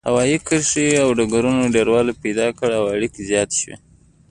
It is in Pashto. هوايي کرښې او ډګرونو ډیروالی پیدا کړ او اړیکې زیاتې شوې.